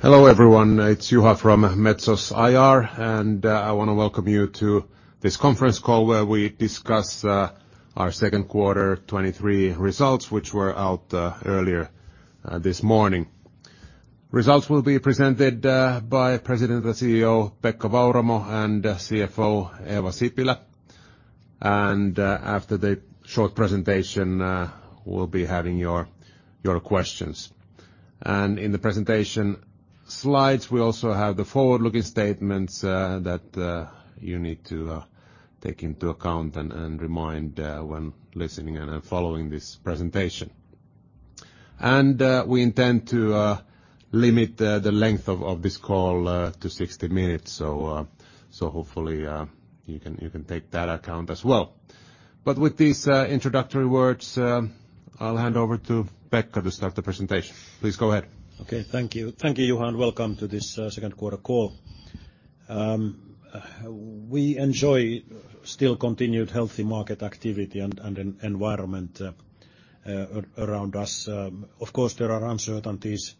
Hello, everyone. It's Juha from Metso's IR, I wanna welcome you to this conference call, where we discuss our second quarter 2023 results, which were out earlier this morning. Results will be presented by President and CEO Pekka Vauramo and CFO Eeva Sipilä. After the short presentation, we'll be having your questions. In the presentation slides, we also have the forward-looking statements that you need to take into account and remind when listening and following this presentation. We intend to limit the length of this call to 60 minutes, so hopefully, you can take that account as well. With these introductory words, I'll hand over to Pekka to start the presentation. Please go ahead. Okay, thank you. Thank you, Juha. Welcome to this second quarter call. We enjoy still continued healthy market activity and environment around us. Of course, there are uncertainties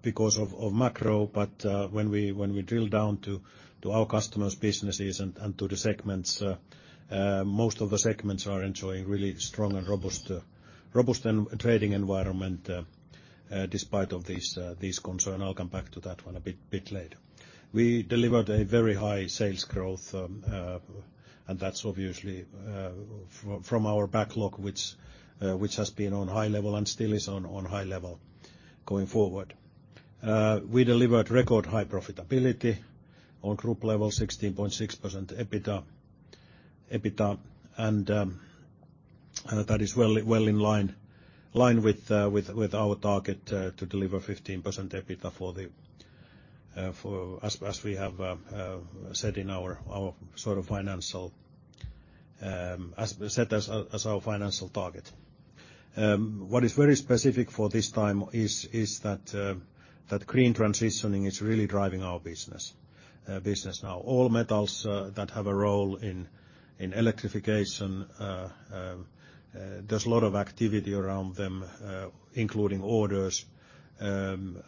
because of macro, when we drill down to our customers' businesses and to the segments, most of the segments are enjoying really strong and robust trading environment despite of this concern. I'll come back to that one a bit later. We delivered a very high sales growth. That's obviously from our backlog, which has been on high level and still is on high level going forward. We delivered record high profitability on group level, 16.6% EBITDA, and that is well in line with our target to deliver 15% EBITDA for as we have said in our sort of financial as set as our financial target. What is very specific for this time is that green transitioning is really driving our business now. All metals that have a role in electrification, there's a lot of activity around them, including orders, and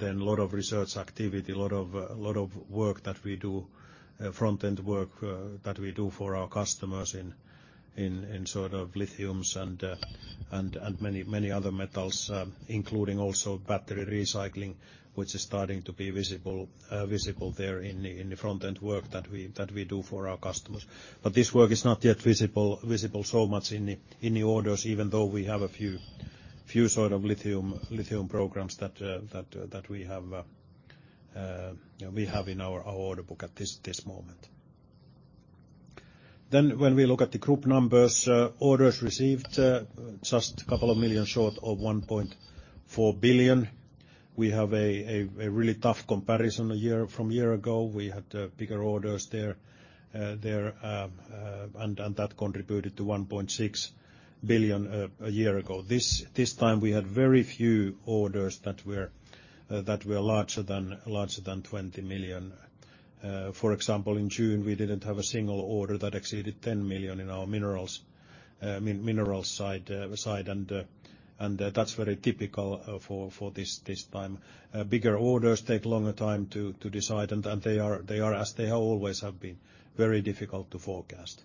then a lot of research activity, a lot of work that we do, front-end work that we do for our customers in sort of lithiums and many other metals, including also battery recycling, which is starting to be visible there in the front-end work that we do for our customers. This work is not yet visible so much in the orders, even though we have a few sort of lithium programs that we have in our order book at this moment. When we look at the group numbers, orders received, just a couple of million short of 1.4 billion. We have a really tough comparison from a year ago. We had bigger orders there, and that contributed to 1.6 billion a year ago. This time we had very few orders that were larger than 20 million. For example, in June, we didn't have a single order that exceeded 10 million in our minerals side, and that's very typical for this time. Bigger orders take longer time to decide, and they are, as they always have been, very difficult to forecast.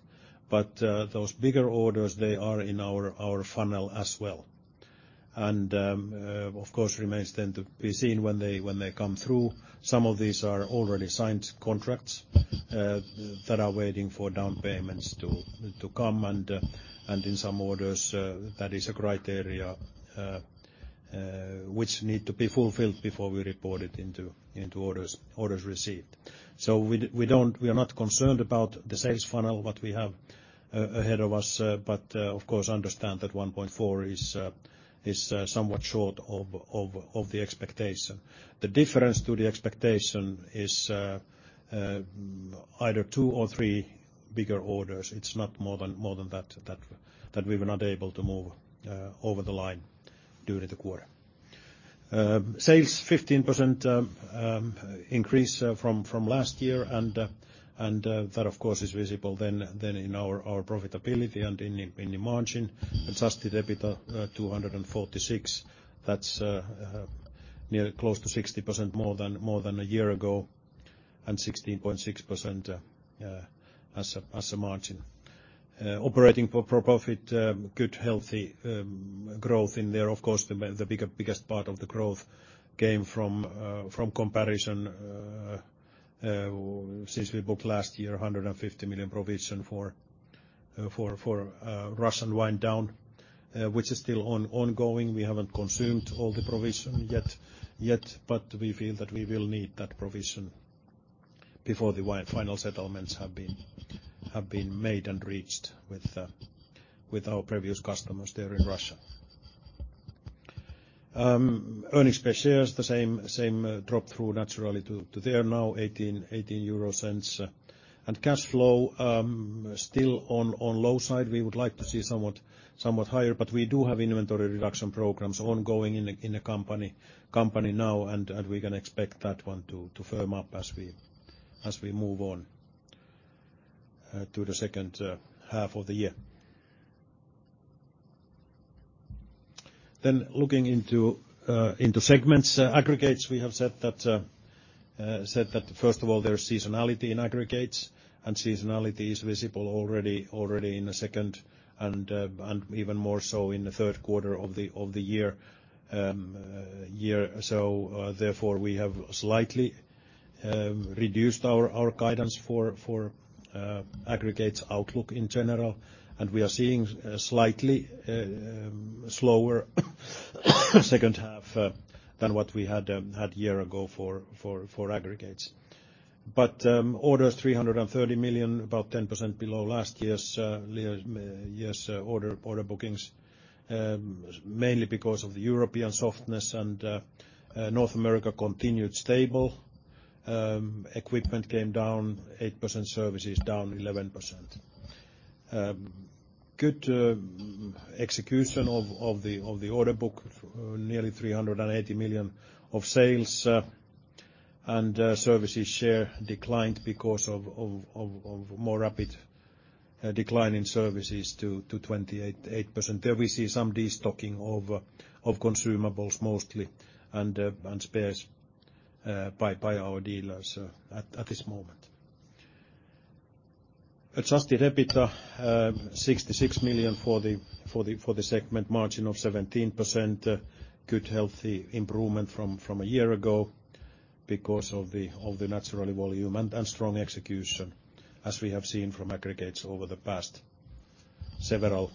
Those bigger orders, they are in our funnel as well, and of course, remains then to be seen when they come through. Some of these are already signed contracts that are waiting for down payments to come, and in some orders, that is a criteria which need to be fulfilled before we report it into orders received. We are not concerned about the sales funnel what we have ahead of us, but of course, understand that 1.4 is somewhat short of the expectation. The difference to the expectation is either two or three bigger orders. It's not more than that we were not able to move over the line during the quarter. Sales, 15% increase from last year, that, of course, is visible in our profitability and in the margin. Adjusted EBITDA, 246. That's near close to 60% more than a year ago, and 16.6% as a margin. Operating profit, good, healthy growth in there. Of course, the biggest part of the growth came from comparison, since we booked last year, 150 million provision for Russian wind down, which is still ongoing. We haven't consumed all the provision yet, but we feel that we will need that provision before the final settlements have been made and reached with our previous customers there in Russia. Earnings per share is the same drop through naturally to there, now 0.18. Cash flow still on low side. We would like to see somewhat higher, but we do have inventory reduction programs ongoing in the company now, and we can expect that one to firm up as we move on to the second half of the year. Looking into segments, aggregates, we have said that first of all, there is seasonality in aggregates, and seasonality is visible already in the second, and even more so in the third quarter of the year. Therefore, we have slightly reduced our guidance for aggregates outlook in general, and we are seeing a slightly slower second half than what we had year ago for aggregates. Orders 330 million, about 10% below last year's order bookings, mainly because of the European softness and North America continued stable. Equipment came down 8%, services down 11%. Good execution of the order book, nearly 380 million of sales, and services share declined because of more rapid decline in services to 28.8%. There we see some destocking of consumables mostly, and spares by our dealers at this moment. Adjusted EBITDA, 66 million for the segment margin of 17%. Good, healthy improvement from a year ago because of the naturally volume and strong execution, as we have seen from aggregates over the past several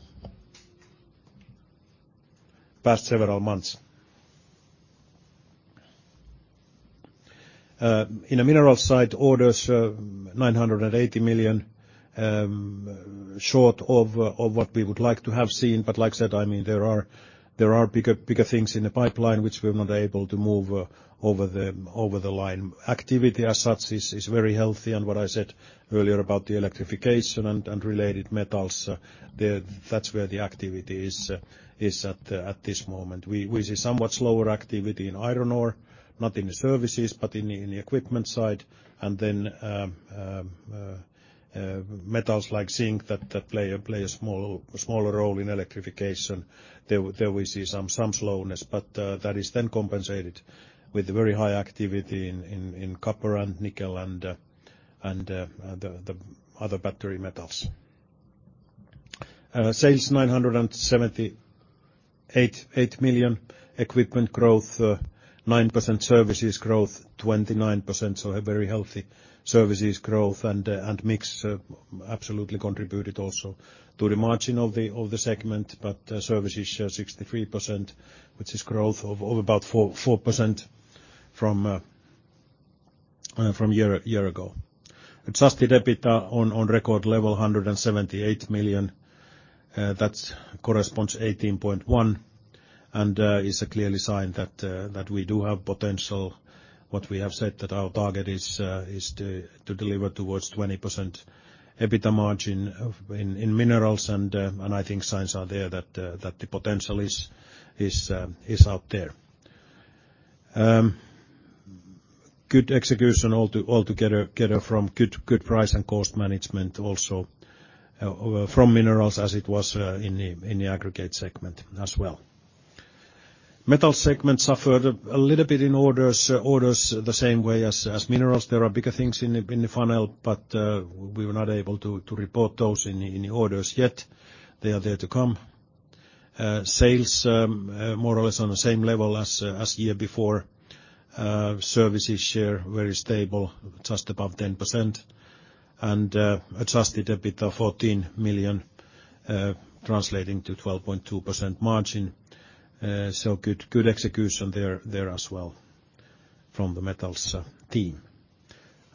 months. In the mineral side, orders, 980 million, short of what we would like to have seen. Like I said, I mean, there are bigger things in the pipeline which we're not able to move over the line. Activity as such is very healthy. What I said earlier about the electrification and related metals, there, that's where the activity is at this moment. We see somewhat slower activity in iron ore, not in the services, but in the equipment side. Then metals like zinc, that play a smaller role in electrification. There we see some slowness, but that is then compensated with very high activity in copper and nickel and the other battery metals. Sales 978.8 million. Equipment growth 9%. Services growth 29%, so a very healthy services growth and mix absolutely contributed also to the margin of the segment. Services share 63%, which is growth of about 4% from year ago. Adjusted EBITDA on record level, 178 million, that corresponds to 18.1%, and is a clearly sign that we do have potential. What we have said that our target is to deliver towards 20% EBITDA margin in minerals, and I think signs are there that the potential is out there. Good execution altogether from good price and cost management also from minerals as it was in the aggregate segment as well. Metal segment suffered a little bit in orders the same way as minerals. There are bigger things in the funnel, but we were not able to report those in the orders yet. They are there to come. Sales more or less on the same level as year before. Services share very stable, just above 10%, adjusted EBITDA 14 million, translating to 12.2% margin. Good execution there as well from the Metso team.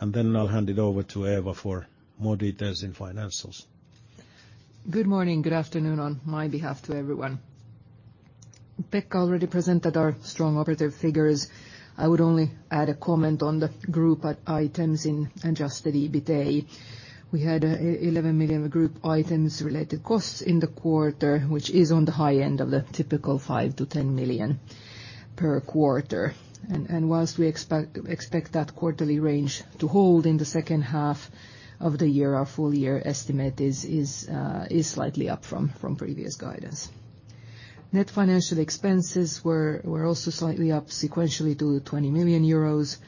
I'll hand it over to Eeva for more details in financials. Good morning, good afternoon on my behalf to everyone. Pekka already presented our strong operative figures. I would only add a comment on the group items in adjusted EBITA. We had 11 million group items related costs in the quarter, which is on the high end of the typical 5 million- 10 million per quarter. Whilst we expect that quarterly range to hold in the second half of the year, our full year estimate is slightly up from previous guidance. Net financial expenses were also slightly up sequentially to 20 million euros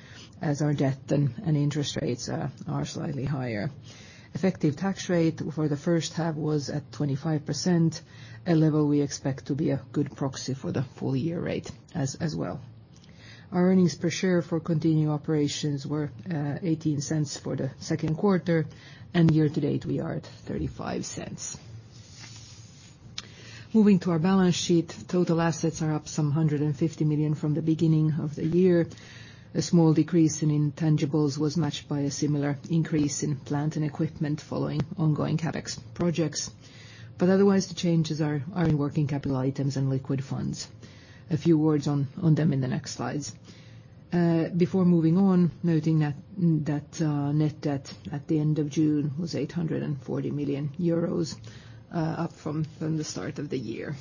as our debt and interest rates are slightly higher. Effective tax rate for the first half was at 25%, a level we expect to be a good proxy for the full year rate as well. Our earnings per share for continuing operations were 0.18 for the 2Q, and year to date, we are at 0.35. Moving to our balance sheet, total assets are up some 150 million from the beginning of the year. A small decrease in intangibles was matched by a similar increase in plant and equipment following ongoing CapEx projects, but otherwise, the changes are in working capital items and liquid funds. A few words on them in the next slides. Before moving on, noting that net debt at the end of June was 840 million euros, up from the start of the year.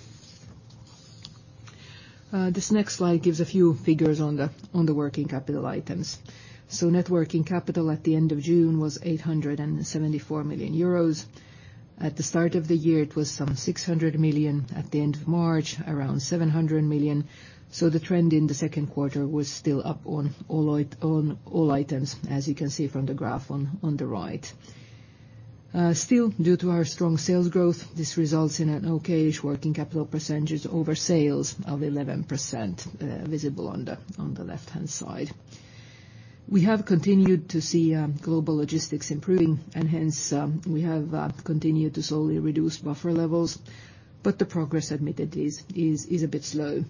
This next slide gives a few figures on the working capital items. Net working capital at the end of June was 874 million euros. At the start of the year, it was some 600 million, at the end of March, around 700 million. The trend in the second quarter was still up on all items, as you can see from the graph on the right. Still, due to our strong sales growth, this results in an okay-ish working capital percentages over sales of 11%, visible on the left-hand side. We have continued to see global logistics improving, and hence, we have continued to slowly reduce buffer levels, but the progress, admittedly, is a bit slow.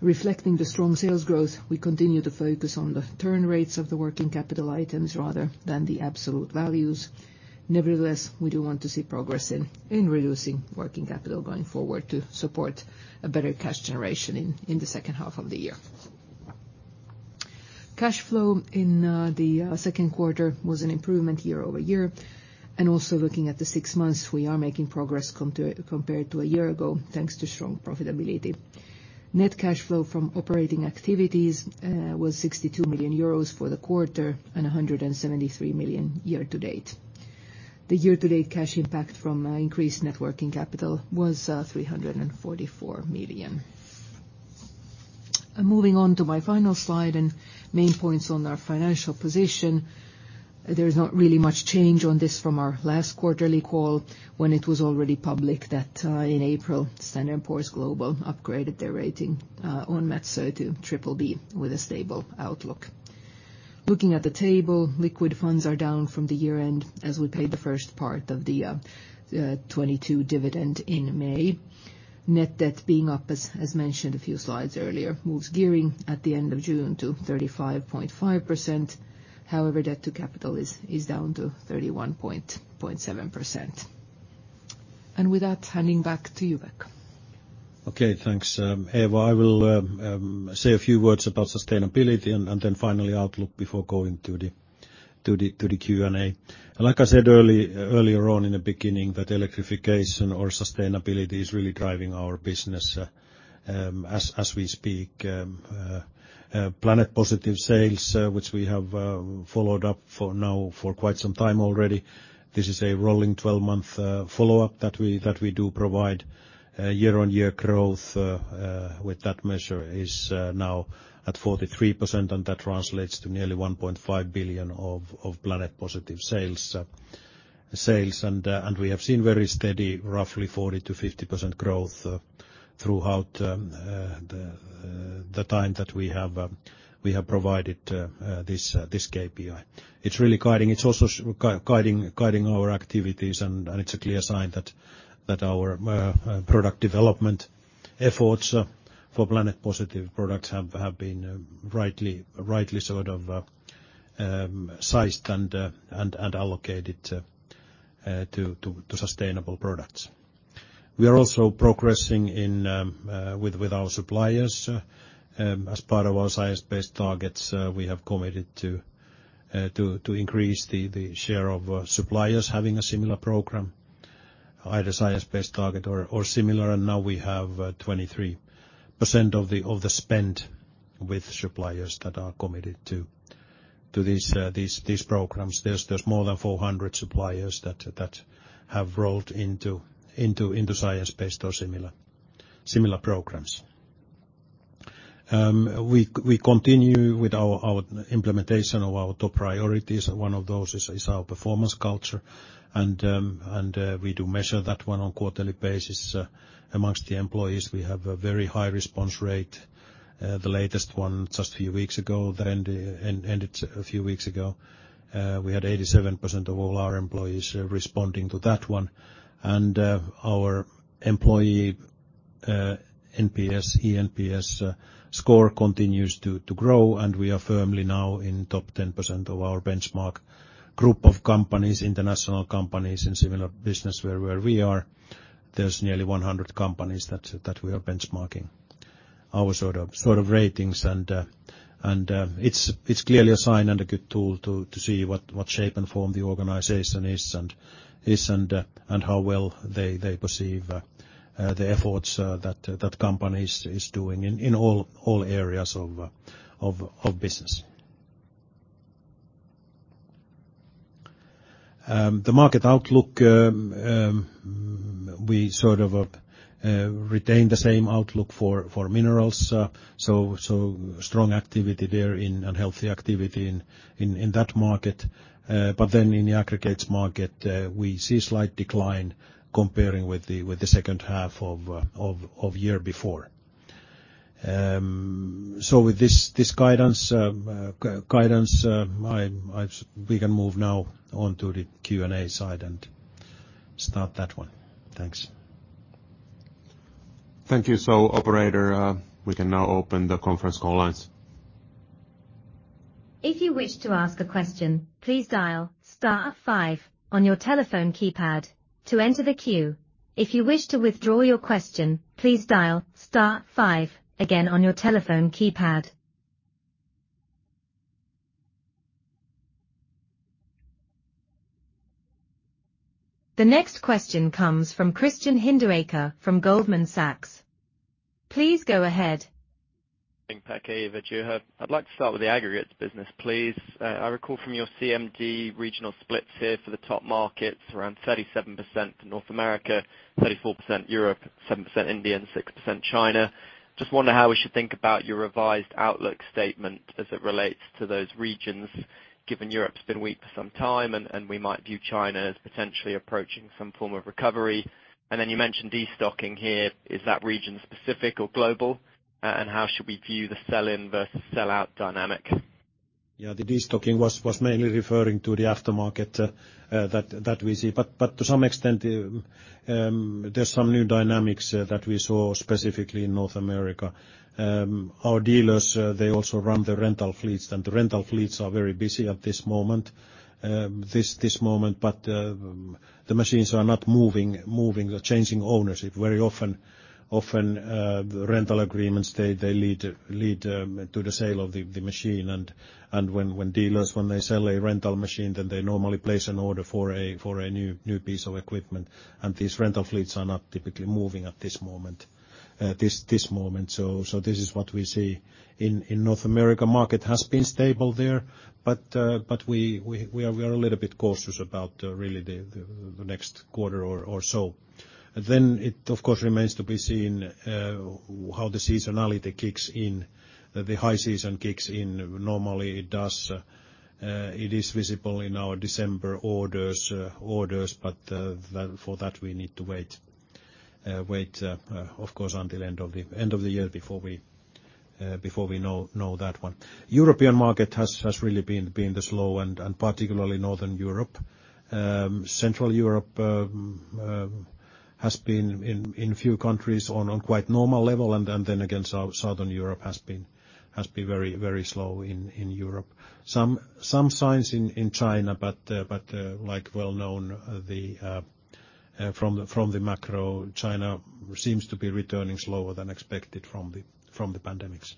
Reflecting the strong sales growth, we continue to focus on the turn rates of the working capital items rather than the absolute values. We do want to see progress in reducing working capital going forward to support a better cash generation in the second half of the year. Cash flow in the second quarter was an improvement year-over-year. Looking at the six months, we are making progress compared to a year ago, thanks to strong profitability. Net cash flow from operating activities was 62 million euros for the quarter and 173 million year-to-date. The year-to-date cash impact from increased net working capital was 344 million. I'm moving on to my final slide and main points on our financial position. There's not really much change on this from our last quarterly call, when it was already public that in April, Standard & Poor's Global upgraded their rating on Metso to BBB with a stable outlook. Looking at the table, liquid funds are down from the year-end as we paid the first part of the 2022 dividend in May. Net debt being up, as mentioned a few slides earlier, moves gearing at the end of June to 35.5%. However, debt to capital is down to 31.7%. With that, handing back to you, Pekka. Okay, thanks, Eeva. I will say a few words about sustainability and then finally outlook before going to the Q&A. Like I said earlier on in the beginning, that electrification or sustainability is really driving our business as we speak. Planet Positive sales, which we have followed up for now for quite some time already, this is a rolling 12-month follow-up that we do provide. Year-on-year growth with that measure is now at 43%, and that translates to nearly 1.5 billion of Planet Positive sales. We have seen very steady, roughly 40%-50% growth throughout the time that we have provided this KPI. It's also guiding our activities and it's a clear sign that our product development efforts for Planet Positive products have been rightly sort of sized and allocated to sustainable products. We are also progressing with our suppliers. As part of our science-based targets, we have committed to increase the share of suppliers having a similar program, either science-based target or similar, and now we have 23% of the spend with suppliers that are committed to these programs. There's more than 400 suppliers that have rolled into science-based or similar programs. We continue with our implementation of our top priorities, and one of those is our performance culture, and we do measure that one on quarterly basis. Amongst the employees, we have a very high response rate. The latest one, just a few weeks ago, that ended a few weeks ago, we had 87% of all our employees responding to that one. Our employee NPS, ENPS score continues to grow, and we are firmly now in top 10% of our benchmark group of companies, international companies in similar business where we are. There's nearly 100 companies that we are benchmarking our sort of ratings, and it's clearly a sign and a good tool to see what shape and form the organization is, and how well they perceive the efforts that company is doing in all areas of business. The market outlook, we sort of retain the same outlook for minerals. Strong activity there in. Healthy activity in that market. In the aggregates market, we see a slight decline comparing with the second half of year before. With this guidance, we can move now on to the Q&A side and start that one. Thanks. Thank you. Operator, we can now open the conference call lines. If you wish to ask a question, please dial star five on your telephone keypad to enter the queue. If you wish to withdraw your question, please dial star five again on your telephone keypad. The next question comes from Christian Hinderaker from Goldman Sachs. Please go ahead. Thank you, Pekka, Eeva. I'd like to start with the aggregates business, please. I recall from your CMD regional splits here for the top markets, around 37% North America, 34% Europe, 7% India, and 6% China. Just wonder how we should think about your revised outlook statement as it relates to those regions, given Europe's been weak for some time, and we might view China as potentially approaching some form of recovery. Then you mentioned destocking here. Is that region-specific or global? How should we view the sell-in versus sell-out dynamic? The destocking was mainly referring to the aftermarket that we see. To some extent, there's some new dynamics that we saw specifically in North America. Our dealers, they also run the rental fleets, and the rental fleets are very busy at this moment. This moment, but the machines are not moving or changing ownership very often. The rental agreements, they lead to the sale of the machine, and when dealers sell a rental machine, then they normally place an order for a new piece of equipment, and these rental fleets are not typically moving at this moment. This is what we see in North America. Market has been stable there. We are a little bit cautious about really the next quarter or so. It, of course, remains to be seen how the seasonality kicks in, the high season kicks in. Normally, it does, it is visible in our December orders, but for that, we need to wait, of course, until end of the year before we know that one. European market has really been the slow and particularly Northern Europe. Central Europe has been in a few countries on quite normal level, and then again, Southern Europe has been very, very slow in Europe. Some signs in China, but like well known, from the macro, China seems to be returning slower than expected from the pandemics.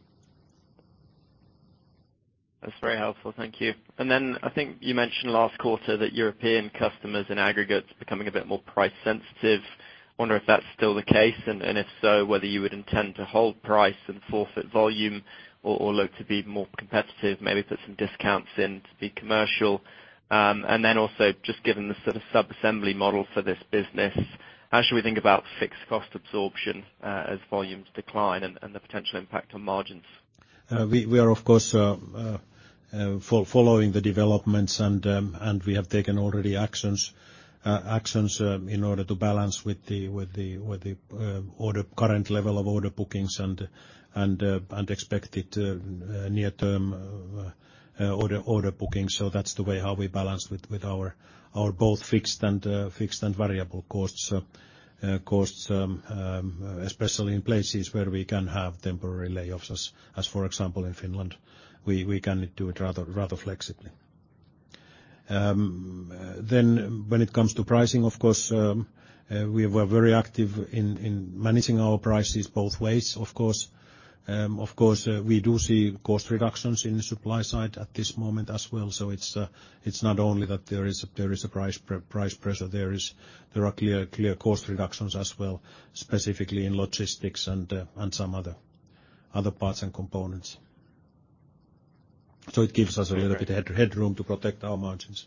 That's very helpful. Thank you. I think you mentioned last quarter that European customers and aggregates becoming a bit more price sensitive. I wonder if that's still the case, and if so, whether you would intend to hold price and forfeit volume or look to be more competitive, maybe put some discounts in to be commercial? Also, just given the sort of sub-assembly model for this business, how should we think about fixed cost absorption as volumes decline and the potential impact on margins? We are, of course, following the developments, and we have taken already actions in order to balance with the, with the, with the current level of order bookings and expected near-term order booking. That's the way how we balance with our both fixed and fixed and variable costs especially in places where we can have temporary layoffs, as, for example, in Finland. We can do it rather flexibly. When it comes to pricing, of course, we were very active in managing our prices both ways. Of course, of course, we do see cost reductions in the supply side at this moment as well. It's not only that there is a price pressure. There are clear cost reductions as well, specifically in logistics and some other parts and components. It gives us a little bit of headroom to protect our margins.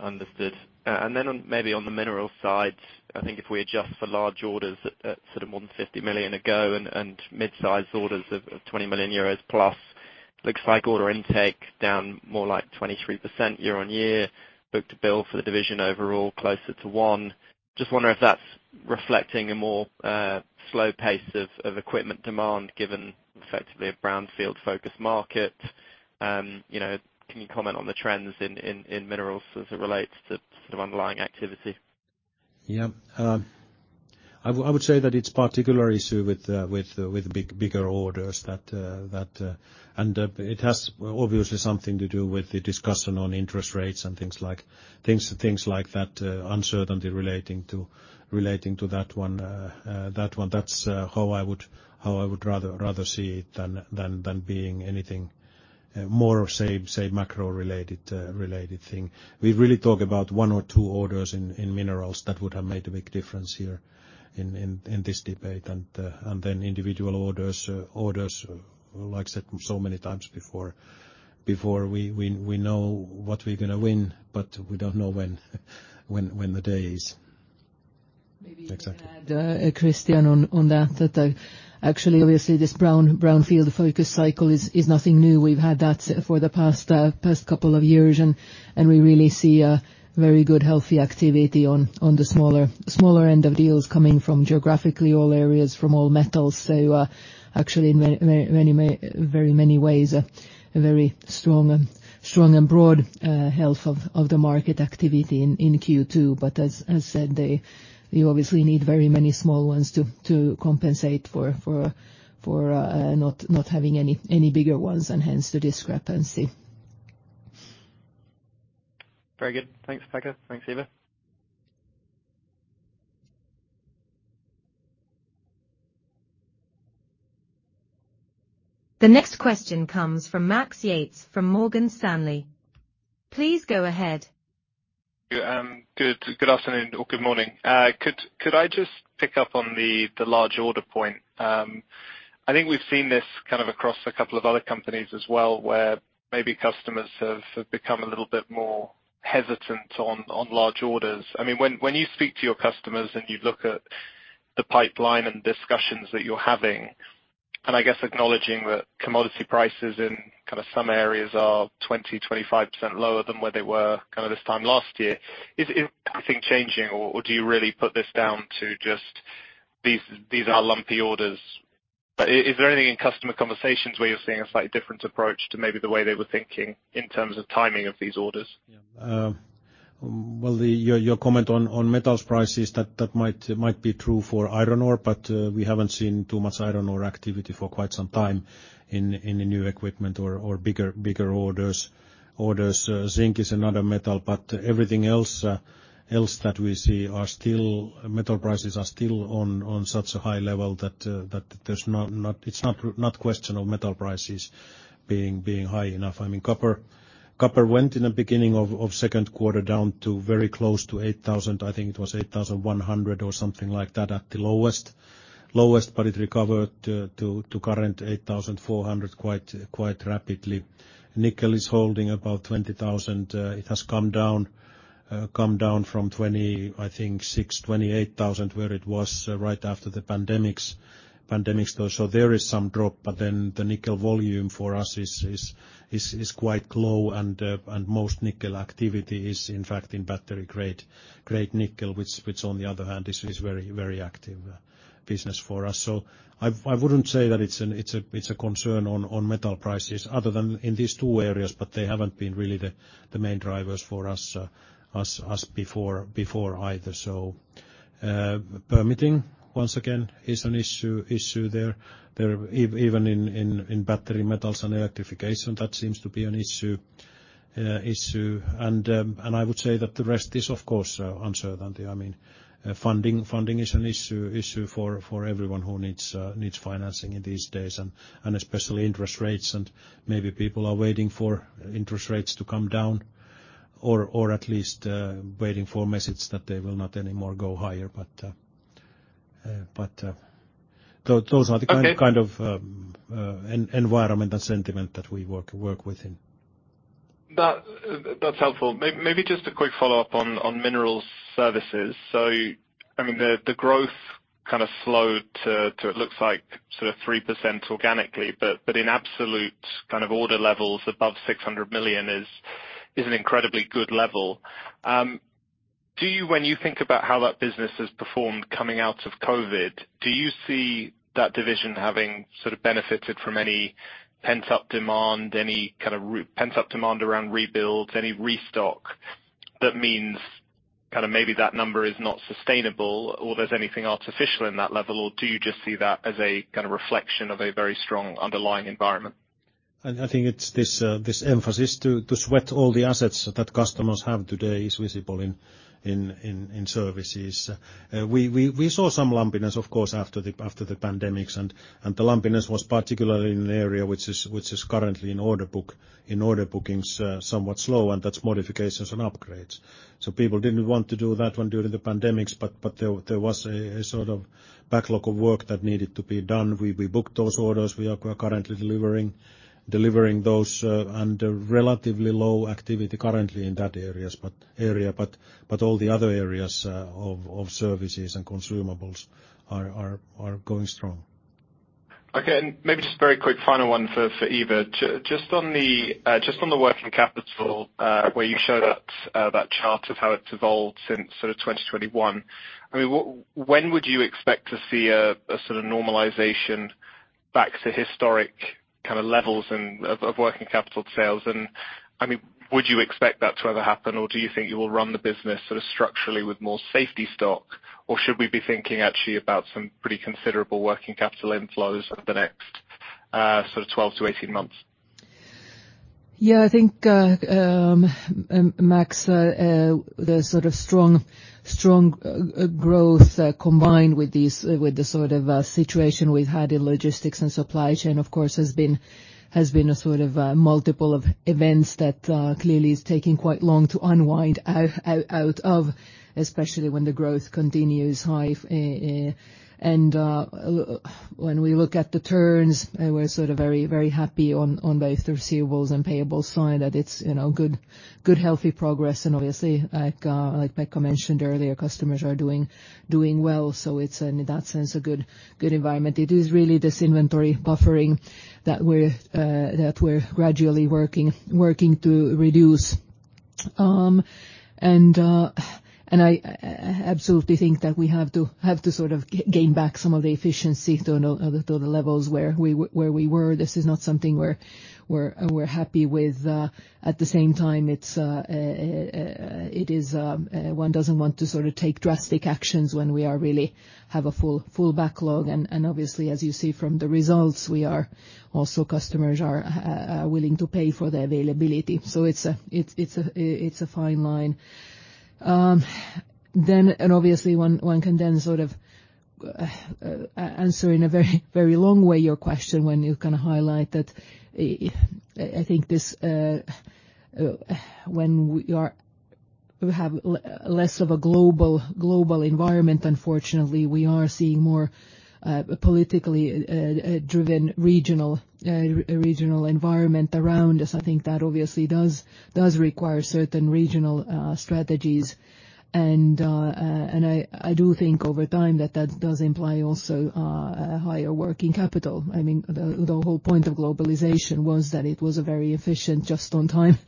Understood. Then on, maybe on the mineral side, I think if we adjust for large orders at sort of more than 50 million ago and mid-sized orders of 20 million euros plus, looks like order intake down more like 23% year-on-year, book-to-bill for the division overall, closer to one. Just wondering if that's reflecting a more slow pace of equipment demand, given effectively a brownfield-focused market. You know, can you comment on the trends in, in minerals as it relates to sort of underlying activity? Yeah. I would say that it's particular issue with big, bigger orders that. It has obviously something to do with the discussion on interest rates and things like that, uncertainty relating to that one. That's how I would rather see it than being anything more, say, macro-related thing. We really talk about one or two orders in minerals that would have made a big difference here in this debate. Then individual orders, like I said so many times before, we know what we're gonna win, but we don't know when the day is. Exactly. Maybe to add, Christian, on that, actually, obviously, this brownfield focus cycle is nothing new. We've had that for the past couple of years, and we really see a very good, healthy activity on the smaller end of deals coming from geographically all areas, from all metals. Actually, in very many ways, a very strong and broad health of the market activity in Q2. As said, you obviously need very many small ones to compensate for not having any bigger ones, and hence, the discrepancy. Very good. Thanks, Pekka. Thanks, Eeva. The next question comes from Max Yates, from Morgan Stanley. Please go ahead. Good afternoon or good morning. Could I just pick up on the large order point? I think we've seen this kind of across a couple of other companies as well, where maybe customers have become a little bit more hesitant on large orders. I mean, when you speak to your customers and you look at the pipeline and discussions that you're having, and I guess acknowledging that commodity prices in kind of some areas are 20%, 25% lower than where they were kind of this time last year, is anything changing or do you really put this down to just these are lumpy orders? Is there anything in customer conversations where you're seeing a slightly different approach to maybe the way they were thinking in terms of timing of these orders? Well, your comment on metals prices, that might be true for iron ore, but we haven't seen too much iron ore activity for quite some time in the new equipment or bigger orders. Zinc is another metal, but everything else that we see, metal prices are still on such a high level that there's not question of metal prices being high enough. I mean, copper went in the beginning of second quarter, down to very close to 8,000. I think it was 8,100 or something like that, at the lowest, but it recovered to current 8,400 quite rapidly. Nickel is holding about 20,000. It has come down, come down from 26,000, 28,000, where it was right after the pandemics. There is some drop, the nickel volume for us is quite low and most nickel activity is in fact in battery-grade nickel, which on the other hand, is very active business for us. I wouldn't say that it's a concern on metal prices other than in these two areas, but they haven't been really the main drivers for us before either. Permitting, once again, is an issue there. Even in battery metals and electrification, that seems to be an issue. I would say that the rest is, of course, uncertainty. I mean, funding is an issue for everyone who needs financing in these days, and especially interest rates. Maybe people are waiting for interest rates to come down or at least, waiting for message that they will not anymore go higher. Those are the. Okay kind of, environment and sentiment that we work with in. That, that's helpful. Maybe just a quick follow-up on minerals services. I mean, the growth kind of slowed to, it looks like sort of 3% organically, but in absolute kind of order levels, above 600 million is an incredibly good level. Do you when you think about how that business has performed coming out of COVID, do you see that division having sort of benefited from any pent-up demand, any kind of pent-up demand around rebuilds, any restock that means kind of maybe that number is not sustainable or there's anything artificial in that level? Or do you just see that as a kind of reflection of a very strong underlying environment? I think it's this emphasis to sweat all the assets that customers have today is visible in services. We saw some lumpiness, of course, after the pandemics, and the lumpiness was particularly in an area which is currently in order bookings, somewhat slow, and that's modifications and upgrades. People didn't want to do that one during the pandemics, but there was a sort of backlog of work that needed to be done. We booked those orders. We are currently delivering those, and relatively low activity currently in that area. But all the other areas of services and consumables are going strong. Okay. Maybe just a very quick final one for Eeva. just on the working capital, where you showed that chart of how it's evolved since sort of 2021, I mean, when would you expect to see a sort of normalization back to historic kind of levels and of working capital sales? I mean, would you expect that to ever happen, or do you think you will run the business sort of structurally with more safety stock? Or should we be thinking actually about some pretty considerable working capital inflows over the next 12-18 months? Yeah, I think, Max, the sort of strong growth combined with these, with the sort of situation we've had in logistics and supply chain, of course, has been a sort of multiple of events that clearly is taking quite long to unwind out of, especially when the growth continues high. When we look at the turns, we're sort of very happy on both the receivables and payables side, that it's, you know, good, healthy progress. Obviously, like Pekka mentioned earlier, customers are doing well, so it's, in that sense, a good environment. It is really this inventory buffering that we're that we're gradually working to reduce. I absolutely think that we have to sort of gain back some of the efficiency to the levels where we were. This is not something we're happy with. At the same time, One doesn't want to sort of take drastic actions when we are really have a full backlog. Obviously, as you see from the results, we are also customers are willing to pay for the availability. It's a fine line. Obviously, one can then sort of answer in a very long way your question when you kind of highlight that, I think this, when we have less of a global environment, unfortunately, we are seeing more politically driven regional environment around us. I think that obviously does require certain regional strategies. I do think over time that that does imply also a higher working capital. I mean, the whole point of globalization was that it was a very efficient, just-on-time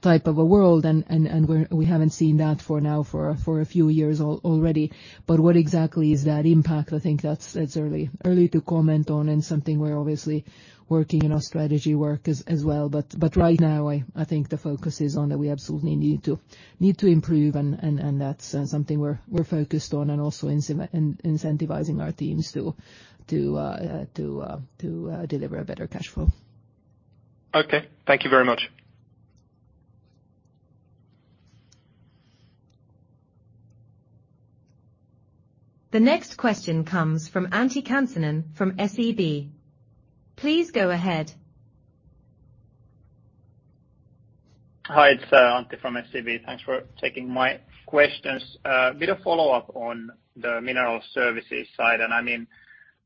type of a world, and we haven't seen that for now for a few years already. What exactly is that impact? I think that's, it's early to comment on, and something we're obviously working in our strategy work as well. Right now, I think the focus is on that we absolutely need to improve, and that's something we're focused on, and also incentivizing our teams to deliver a better cash flow. Okay. Thank you very much. The next question comes from Antti Kansanen from SEB. Please go ahead. Hi, it's Antti from SEB. Thanks for taking my questions. Bit of follow-up on the mineral services side, and I mean,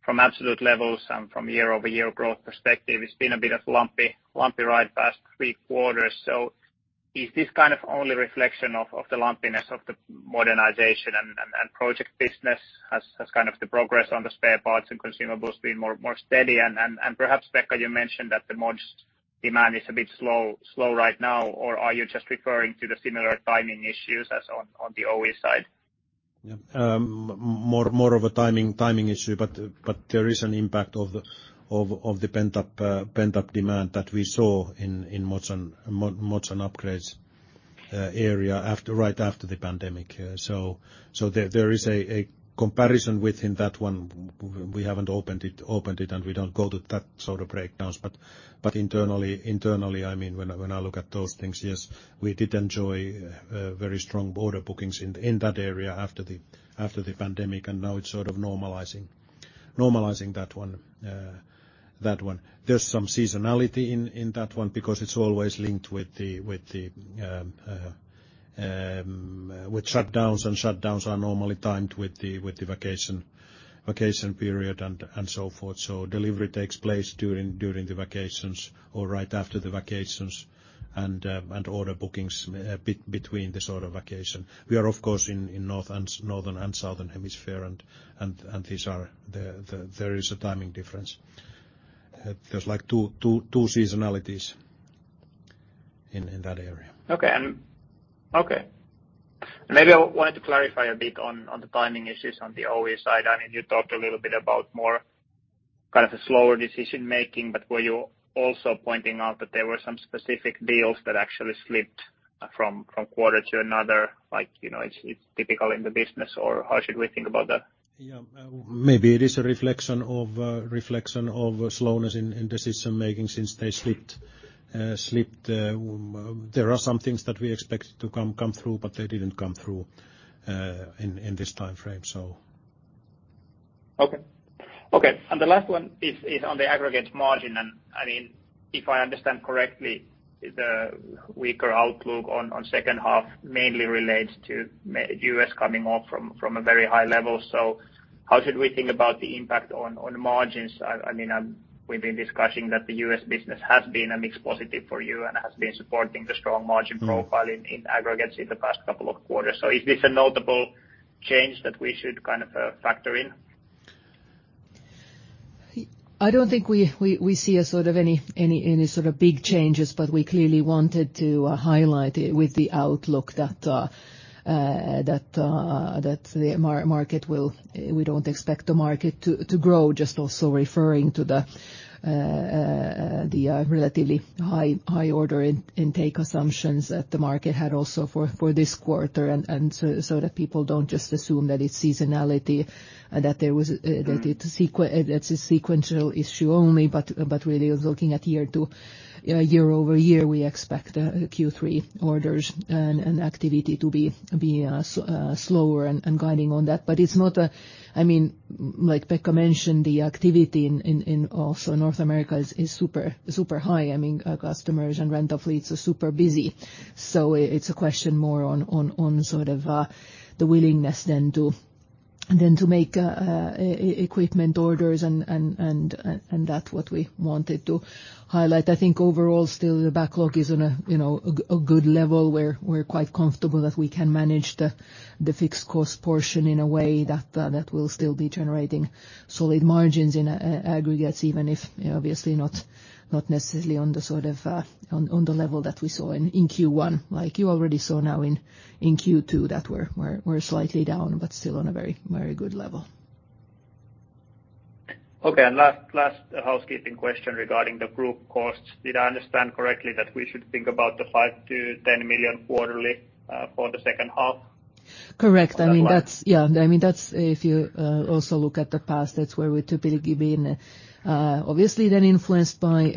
from absolute levels and from year-over-year growth perspective, it's been a bit of lumpy ride past three quarters. Is this kind of only reflection of the lumpiness of the modernization and project business as kind of the progress on the spare parts and consumables being more steady? Perhaps, Pekka, you mentioned that the mods demand is a bit slow right now, or are you just referring to the similar timing issues as on the OE side? Yeah. More of a timing issue, but there is an impact of the pent-up demand that we saw in mods and upgrades area after, right after the pandemic. There is a comparison within that one. We haven't opened it, and we don't go to that sort of breakdowns. Internally, I mean, when I look at those things, yes, we did enjoy very strong order bookings in that area after the pandemic, and now it's sort of normalizing that one. There's some seasonality in that one because it's always linked with the shutdowns, and shutdowns are normally timed with the vacation period and so forth. Delivery takes place during the vacations or right after the vacations, and order bookings between the sort of vacation. We are, of course, in north and northern and southern hemisphere, and these are. There is a timing difference. There's like two seasonalities in that area. Okay. Maybe I wanted to clarify a bit on the timing issues on the OE side. I mean, you talked a little bit about more kind of a slower decision-making, but were you also pointing out that there were some specific deals that actually slipped from quarter to another, like, you know, it's typical in the business, or how should we think about that? Yeah. Maybe it is a reflection of slowness in decision-making since they slipped. There are some things that we expect to come through, but they didn't come through in this time frame, so. Okay, the last one is on the aggregate margin, I mean, if I understand correctly, the weaker outlook on second half mainly relates to U.S. coming off from a very high level. How should we think about the impact on margins? I mean, we've been discussing that the U.S. business has been a mixed positive for you and has been supporting the strong margin- Mm. -profile in aggregates in the past couple of quarters. Is this a notable change that we should kind of, factor in? I don't think we see any sort of big changes, but we clearly wanted to highlight it with the outlook that we don't expect the market to grow, just also referring to the relatively high order intake assumptions that the market had also for this quarter. That people don't just assume that it's seasonality. Mm. that it's a sequential issue only, but really, it's looking at year-over-year, we expect Q3 orders and activity to be slower and guiding on that. It's not I mean, like Pekka mentioned, the activity in also North America is super high. I mean, our customers and rental fleets are super busy. It's a question more on sort of the willingness then to, than to make equipment orders, and that's what we wanted to highlight. I think overall still the backlog is on a, you know, a good level where we're quite comfortable that we can manage the fixed cost portion in a way that will still be generating solid margins in aggregates, even if obviously not necessarily on the sort of, on the level that we saw in Q1. Like, you already saw now in Q2, that we're slightly down, but still on a very, very good level. Last housekeeping question regarding the group costs. Did I understand correctly that we should think about the 5 million-10 million quarterly for the second half? Correct. I mean, that's if you also look at the past, that's where we typically been, obviously, then influenced by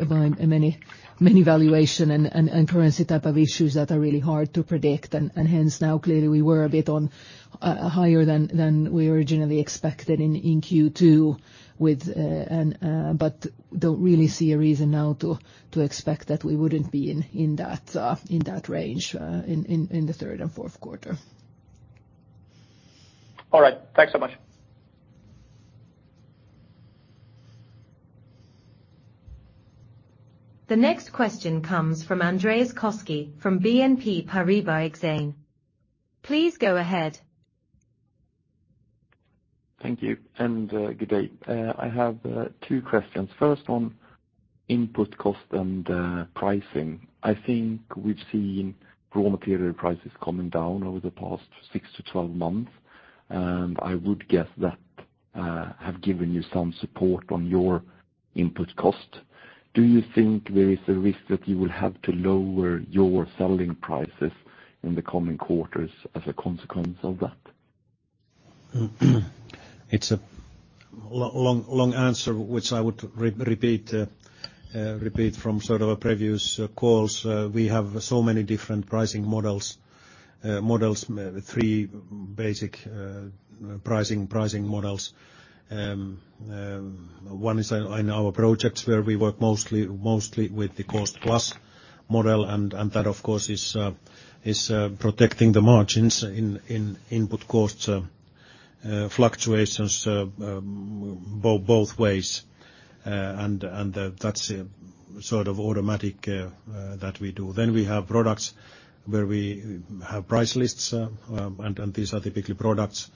many valuation and currency type of issues that are really hard to predict. Hence now, clearly, we were a bit higher than we originally expected in Q2 but don't really see a reason now to expect that we wouldn't be in that range in the third and fourth quarter. All right. Thanks so much. The next question comes from Andreas Koski, from BNP Paribas Exane. Please go ahead. Thank you. Good day. I have two questions. First, on input cost and pricing. I think we've seen raw material prices coming down over the past six-12 months, and I would guess that have given you some support on your input cost. Do you think there is a risk that you will have to lower your selling prices in the coming quarters as a consequence of that? It's a long answer, which I would repeat from sort of a previous calls. We have so many different pricing models, three basic pricing models. One is in our projects, where we work mostly with the cost-plus model, and that, of course, is protecting the margins in input costs, fluctuations, both ways. That's a sort of automatic that we do. We have products where we have price lists, and these are typically products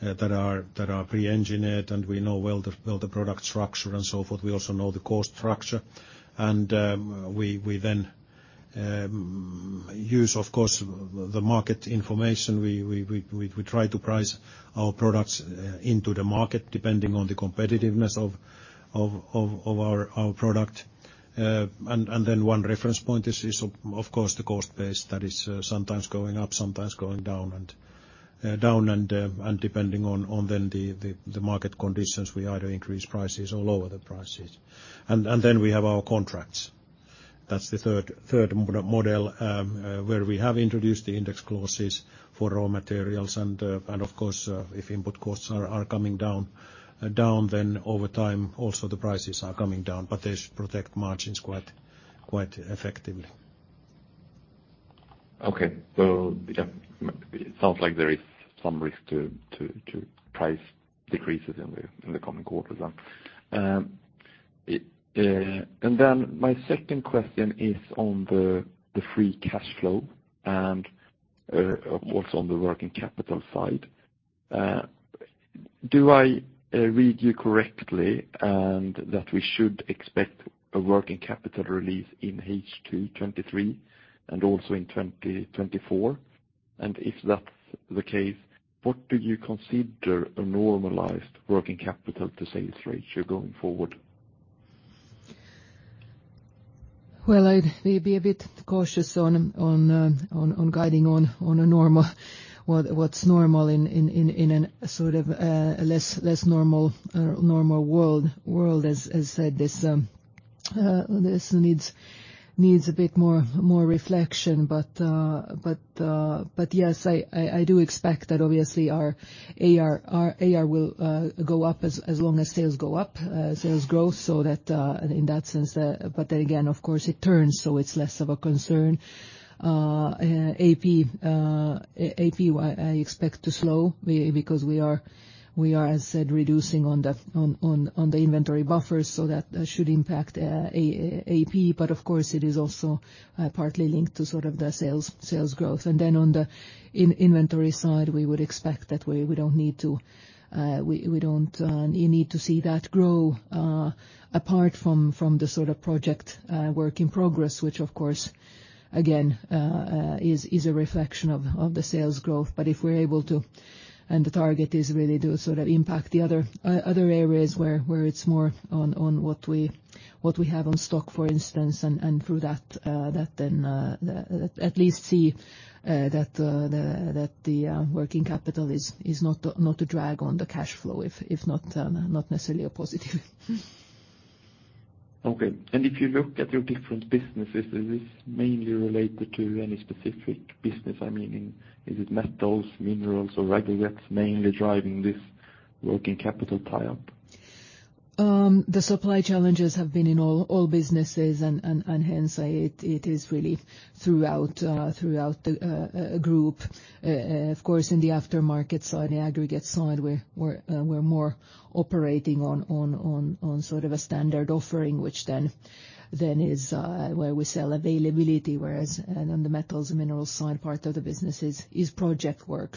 that are pre-engineered, and we know well the product structure and so forth. We also know the cost structure, and we then use, of course, the market information. We try to price our products into the market, depending on the competitiveness of our product. Then one reference point is of course, the cost base that is sometimes going up, sometimes going down and depending on the market conditions, we either increase prices or lower the prices. Then we have our contracts. That's the third model, where we have introduced the index clauses for raw materials, and of course, if input costs are coming down, then over time, also the prices are coming down, but they protect margins quite effectively. Yeah, it sounds like there is some risk to price decreases in the coming quarters then. Then my second question is on the free cash flow and what's on the working capital side. Do I read you correctly, and that we should expect a working capital release in H2 2023 and also in 2024? If that's the case, what do you consider a normalized working capital to sales ratio going forward? Well, I'd maybe be a bit cautious on guiding on what's normal in an sort of, a less normal world. As said, this needs a bit more reflection. Yes, I do expect that obviously our AR will go up as long as sales go up, sales growth, so that in that sense... Again, of course, it turns, so it's less of a concern. AP, I expect to slow because we are, as said, reducing on the, on the inventory buffers, so that should impact AP. Of course, it is also partly linked to sort of the sales growth. Then on the in-inventory side, we would expect that we don't need to, we don't, you need to see that grow, apart from the sort of project, work in progress, which, of course, again, is a reflection of the sales growth. If we're able to, and the target is really to sort of impact the other areas where it's more on what we have on stock, for instance, and through that then, at least see, that the working capital is not a drag on the cash flow, if not necessarily a positive. Okay. If you look at your different businesses, is this mainly related to any specific business? I mean, is it metals, minerals, or aggregates mainly driving this working capital tie-up? The supply challenges have been in all businesses, and hence, it is really throughout the group. Of course, in the aftermarket side, the aggregate side, we're more operating on sort of a standard offering, which then is where we sell availability. Whereas, on the metals and minerals side, part of the business is project work.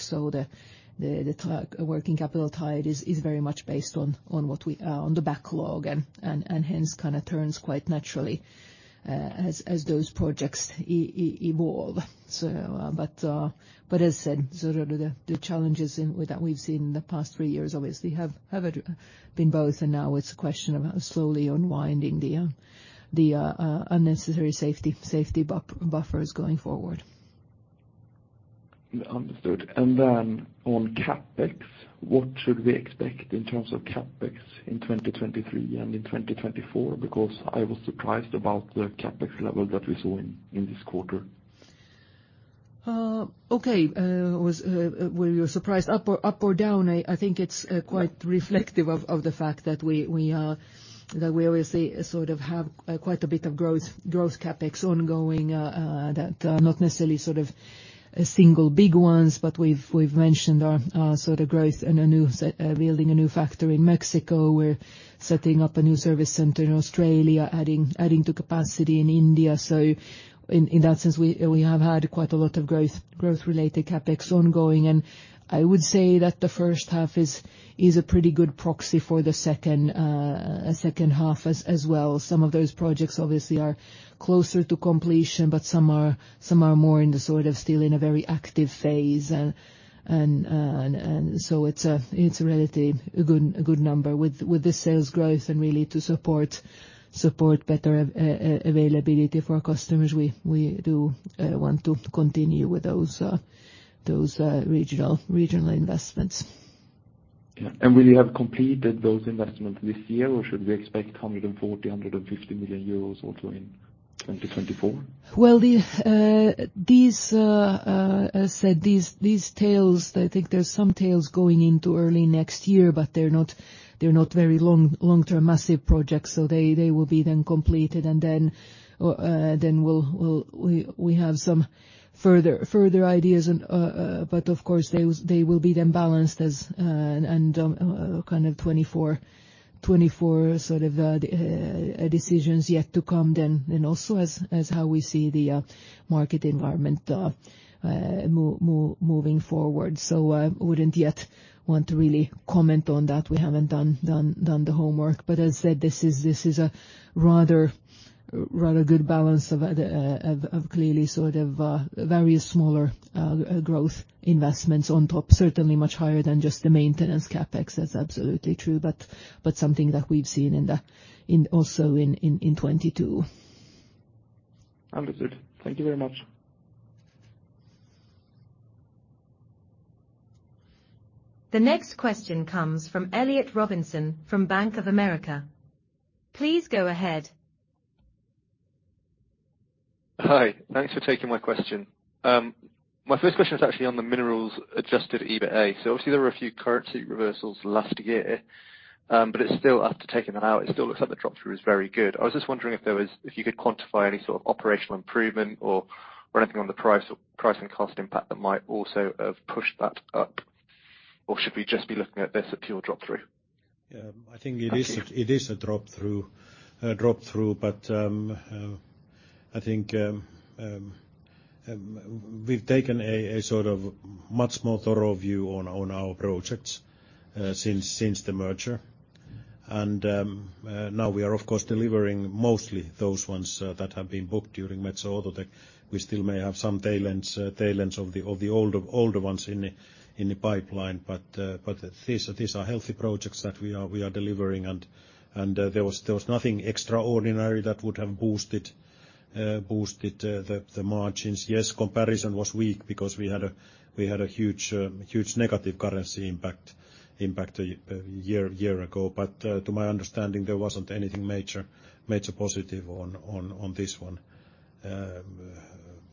The working capital tie is very much based on what we on the backlog and hence kind of turns quite naturally, as those projects evolve. As said, sort of the challenges that we've seen in the past three years obviously have been both, and now it's a question about slowly unwinding the unnecessary safety buffers going forward. Understood. On CapEx, what should we expect in terms of CapEx in 2023 and in 2024? I was surprised about the CapEx level that we saw in this quarter. Okay, was, were you surprised up or down? I think it's quite reflective of the fact that we obviously sort of have quite a bit of growth CapEx ongoing, that are not necessarily sort of a single big ones. We've mentioned our sort of growth and a new, building a new factory in Mexico. We're setting up a new service center in Australia, adding to capacity in India. In that sense, we have had quite a lot of growth-related CapEx ongoing. I would say that the first half is a pretty good proxy for the second half as well. Some of those projects, obviously, are closer to completion, but some are more in the sort of still in a very active phase. So it's a relatively a good number. With the sales growth and really to support better availability for our customers, we do want to continue with those regional investments. Yeah. Will you have completed those investments this year, or should we expect 140 million euros, 150 million euros or so in 2024? These tails, I think there's some tails going into early next year, but they're not very long, long-term, massive projects, so they will be then completed. Then we'll, we have some further ideas. Of course, they will be then balanced as, and, kind of 2024 sort of decisions yet to come then. Also as how we see the market environment moving forward. Wouldn't yet want to really comment on that. We haven't done the homework. As said, this is a rather good balance of clearly sort of various smaller growth investments on top, certainly much higher than just the maintenance CapEx. That's absolutely true, but something that we've seen in the, in also in 2022. Understood. Thank you very much. The next question comes from Elliott Robinson from Bank of America. Please go ahead. Hi. Thanks for taking my question. My first question is actually on the minerals adjusted EBITA. Obviously, there were a few currency reversals last year, but it's still after taking them out, it still looks like the drop-through is very good. I was just wondering if you could quantify any sort of operational improvement or anything on the price or price and cost impact that might also have pushed that up, or should we just be looking at this as pure drop-through? Yeah, I think it is. Actually- It is a drop-through, drop-through, but I think we've taken a sort of much more thorough view on our projects since the merger. Now we are, of course, delivering mostly those ones that have been booked during Metso Outotec. We still may have some tail ends, tail ends of the older ones in the pipeline, but these are healthy projects that we are delivering. There was nothing extraordinary that would have boosted the margins. Yes, comparison was weak because we had a huge negative currency impact a year ago. To my understanding, there wasn't anything major positive on this one.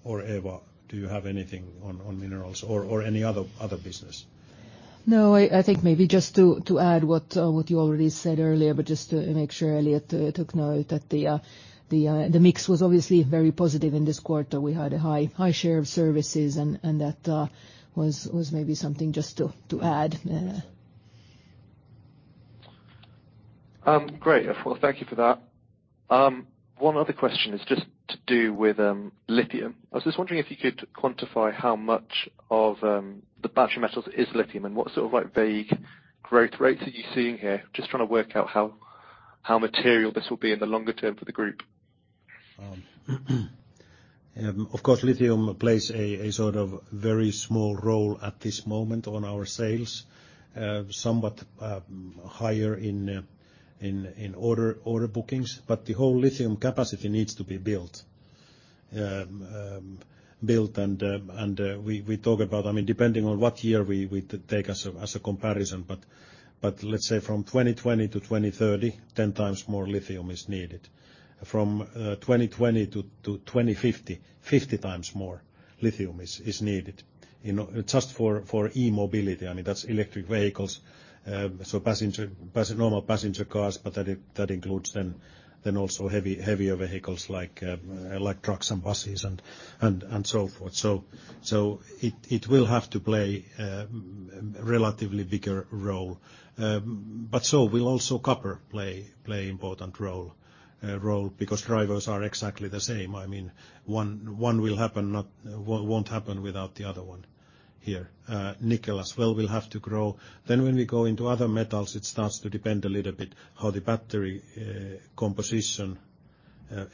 Eeva, do you have anything on minerals or any other business? I think maybe just to add what you already said earlier, but just to make sure, Elliott, took note, that the mix was obviously very positive in this quarter. We had a high share of services, and that was maybe something just to add. Great. Thank you for that. One other question is just to do with lithium. I was just wondering if you could quantify how much of the battery metals is lithium, and what sort of, like, vague growth rates are you seeing here? Just trying to work out how material this will be in the longer term for the group. Of course, lithium plays a sort of very small role at this moment on our sales. Somewhat higher in order bookings, but the whole lithium capacity needs to be built. Built and we talk about... I mean, depending on what year we take as a comparison, but let's say from 2020-2030, 10x more lithium is needed. From 2020-2050, 50x more lithium is needed. You know, just for e-mobility, I mean, that's electric vehicles, so passenger normal passenger cars, but that includes then also heavier vehicles like trucks and buses and so forth. It will have to play a relatively bigger role. will also copper play important role because drivers are exactly the same. I mean, one will happen, one won't happen without the other one here. Nickel as well, will have to grow. When we go into other metals, it starts to depend a little bit how the battery composition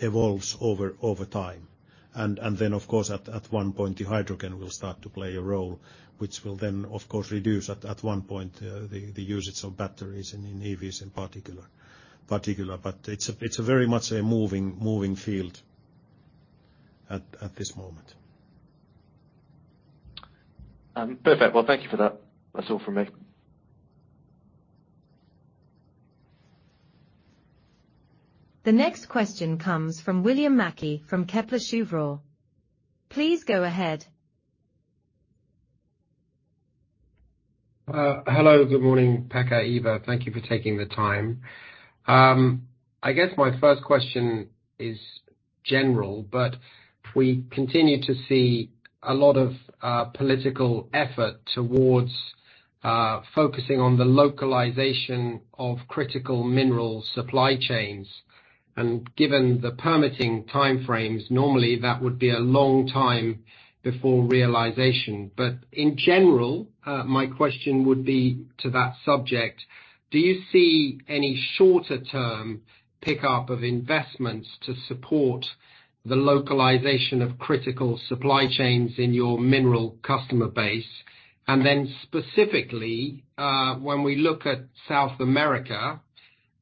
evolves over time. Of course, at one point, the hydrogen will start to play a role, which will then, of course, reduce at one point the usage of batteries and in EVs, in particular. It's a very much a moving field at this moment. Perfect. Thank you for that. That's all from me. The next question comes from William Mackie from Kepler Cheuvreux. Please go ahead. Hello, good morning, Pekka, Eeva. Thank you for taking the time. I guess my first question is general, we continue to see a lot of political effort towards focusing on the localization of critical mineral supply chains. Given the permitting timeframes, normally, that would be a long time before realization. In general, my question would be to that subject: do you see any shorter-term pickup of investments to support the localization of critical supply chains in your mineral customer base? Specifically, when we look at South America,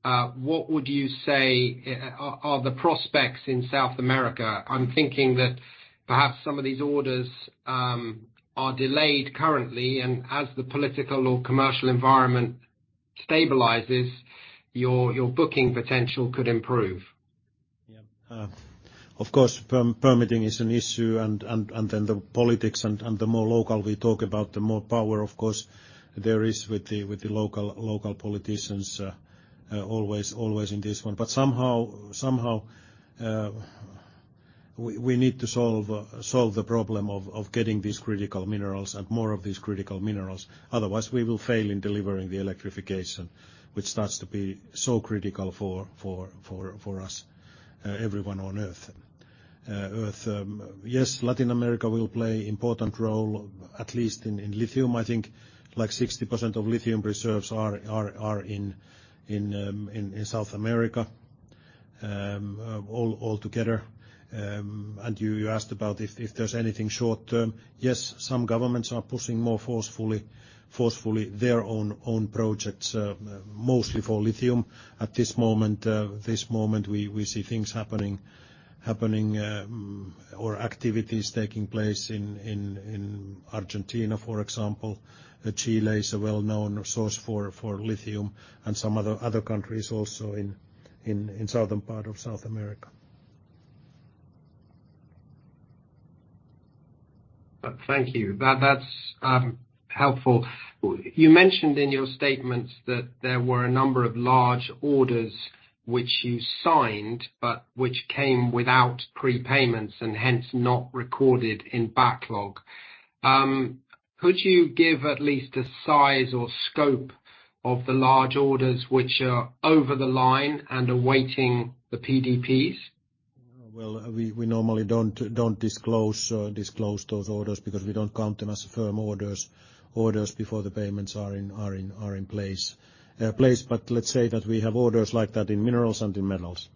what would you say are the prospects in South America? I'm thinking that perhaps some of these orders are delayed currently, and as the political or commercial environment stabilizes, your booking potential could improve. Yeah. Of course, permitting is an issue, and then the politics and the more local we talk about, the more power, of course, there is with the local politicians, always in this one. Somehow, we need to solve the problem of getting these critical minerals and more of these critical minerals. Otherwise, we will fail in delivering the electrification, which starts to be so critical for us, everyone on Earth. Yes, Latin America will play important role, at least in lithium. I think like 60% of lithium reserves are in South America, all together. You asked about if there's anything short-term. Yes, some governments are pushing more forcefully their own projects, mostly for lithium. At this moment, we see things happening or activities taking place in Argentina, for example. Chile is a well-known source for lithium and some other countries also in southern part of South America. Thank you. That's helpful. You mentioned in your statements that there were a number of large orders which you signed, but which came without prepayments and hence not recorded in backlog. Could you give at least a size or scope of the large orders which are over the line and awaiting the PDPs? We normally don't disclose those orders because we don't count them as firm orders before the payments are in place. Let's say that we have orders like that in minerals and in metals.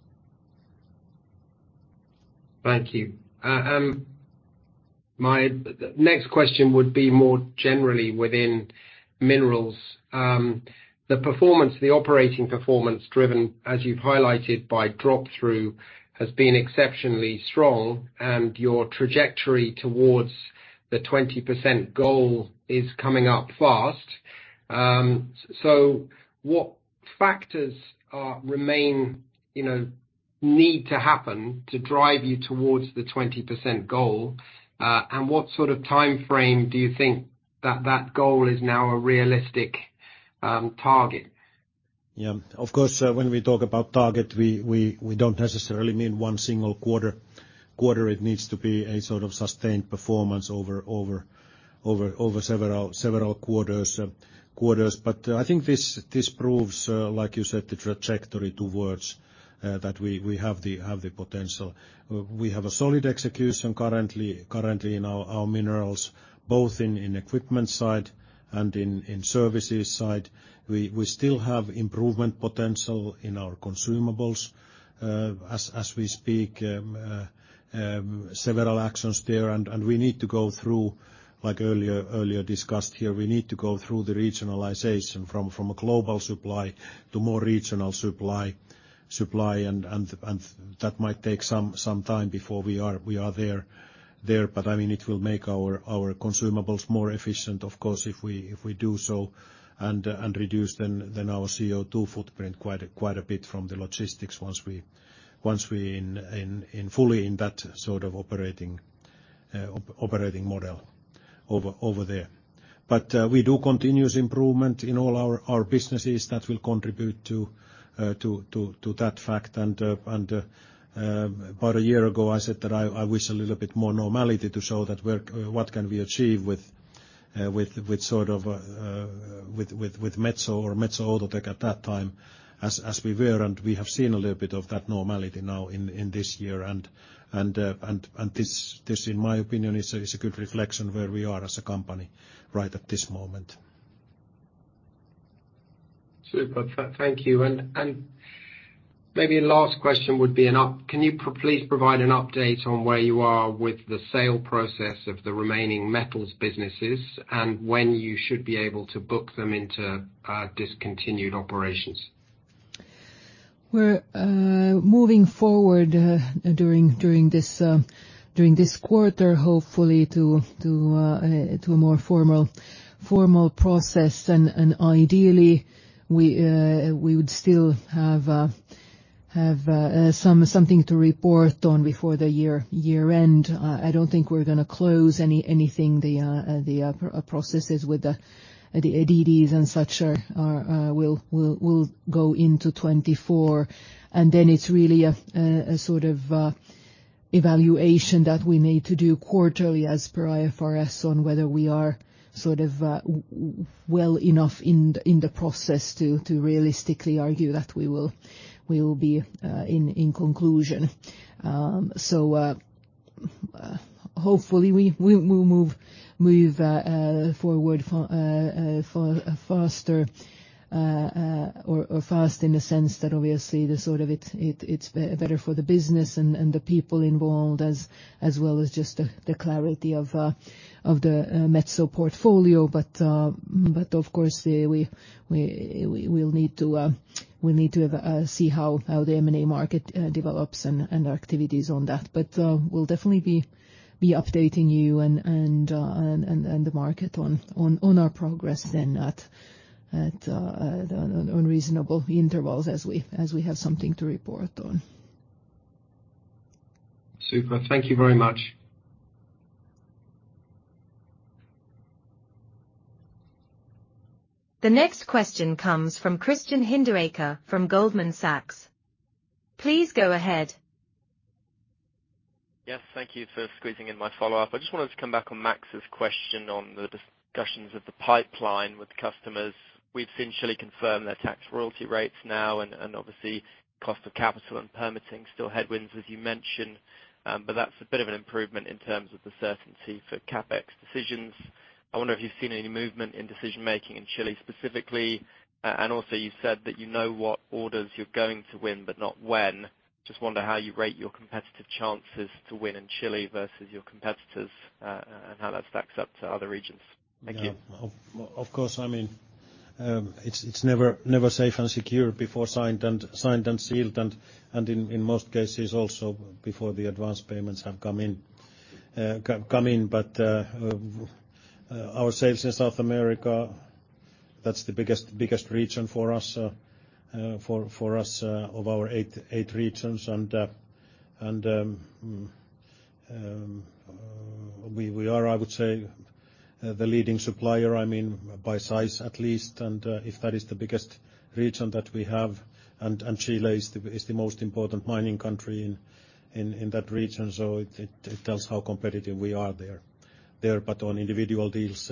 Thank you. My next question would be more generally within minerals. The performance, the operating performance, driven, as you've highlighted by drop-through, has been exceptionally strong, and your trajectory towards the 20% goal is coming up fast. What factors, remain, you know, need to happen to drive you towards the 20% goal? What sort of time frame do you think that that goal is now a realistic, target? Yeah. Of course, when we talk about target, we don't necessarily mean one single quarter. It needs to be a sort of sustained performance over several quarters. I think this proves, like you said, the trajectory towards that we have the potential. We have a solid execution currently in our minerals, both in equipment side and in services side. We still have improvement potential in our consumables. As we speak, several actions there, and we need to go through, like earlier discussed here, we need to go through the regionalization from a global supply to more regional supply, and that might take some time before we are there. I mean, it will make our consumables more efficient, of course, if we do so, and reduce then our CO2 footprint quite a bit from the logistics once we fully in that sort of operating model over there. We do continuous improvement in all our businesses that will contribute to that fact. About a year ago, I said that I wish a little bit more normality to show what can we achieve with sort of Metso or Metso Outotec at that time, as we were. We have seen a little bit of that normality now in this year. This, in my opinion, is a good reflection where we are as a company right at this moment. Super. Thank you. Maybe a last question would be can you please provide an update on where you are with the sale process of the remaining metals businesses and when you should be able to book them into discontinued operations? We're moving forward during this quarter, hopefully to a more formal process. Ideally, we would still have something to report on before the year-end. I don't think we're gonna close anything, the processes with the ADDs and such are will go into 2024. Then it's really a sort of evaluation that we need to do quarterly as per IFRS on whether we are sort of well enough in the process to realistically argue that we will be in conclusion. Hopefully we'll move forward faster or fast in the sense that obviously the sort of better for the business and the people involved, as well as just the clarity of the Metso portfolio. Of course, we'll need to we need to see how the M&A market develops and activities on that. We'll definitely be updating you and the market on our progress then at reasonable intervals as we have something to report on. Super. Thank you very much. The next question comes from Christian Hinderaker from Goldman Sachs. Please go ahead. Yes, thank you for squeezing in my follow-up. I just wanted to come back on Max's question on the discussions of the pipeline with customers. We've seen Chile confirm their tax royalty rates now, and obviously, cost of capital and permitting still headwinds, as you mentioned. That's a bit of an improvement in terms of the certainty for CapEx decisions. I wonder if you've seen any movement in decision-making in Chile, specifically. Also, you said that you know what orders you're going to win, but not when. Just wonder how you rate your competitive chances to win in Chile versus your competitors, and how that stacks up to other regions. Thank you. Yeah. Of course, I mean, it's never safe and secure before signed and sealed, and in most cases, also before the advanced payments have come in. Our sales in South America, that's the biggest region for us, for us, of our eight regions. We are, I would say, the leading supplier, I mean, by size at least. If that is the biggest region that we have, and Chile is the most important mining country in that region, so it tells how competitive we are there. There, but on individual deals,